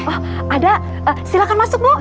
wah ada silahkan masuk bu